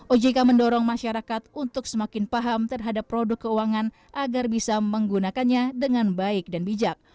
ojk mendorong masyarakat untuk semakin paham terhadap produk keuangan agar bisa menggunakannya dengan baik dan bijak